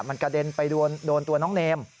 มันกระเด็นไปโดนตัวน้องเนม